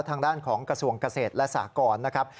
ทางด้านของกระทรวงเกษตรและสากรนะครับ